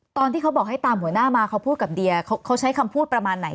ตอนที่เขาบอกให้ตามหัวหน้ามาเขาพูดกับเดียเขาใช้คำพูดประมาณไหน